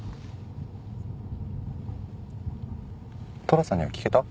寅さんには聞けた？